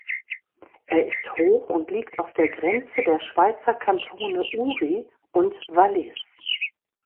Er ist hoch und liegt auf der Grenze der Schweizer Kantone Uri und Wallis.